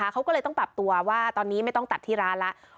เขาก็เลยต้องปรับตัวว่าตอนนี้ไม่ต้องตัดที่ร้านแล้ว